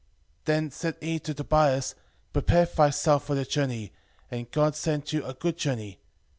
Then said he to Tobias, Prepare thyself for the journey, and God send you a good journey.